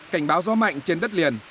cảnh báo gió mạnh trên đất liền